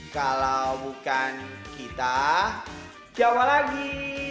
kalau bukan kita jawab lagi